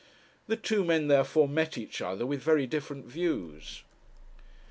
The two men therefore met each other with very different views.